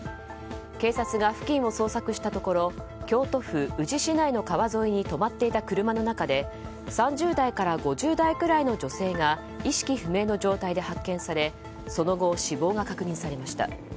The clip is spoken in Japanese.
警察が付近を捜索したところ京都府宇治市内の川沿いに止まっていた車の中で３０代から５０代くらいの女性が意識不明の状態で発見されその後、死亡が確認されました。